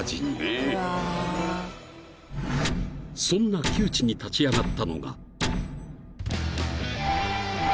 ［そんな窮地に立ち上がったのが］